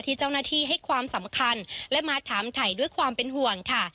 ที่เจ้าหน้าที่ให้ความสำคัญและมาถามถ่ายด้วยความเป็นห่วงค่ะ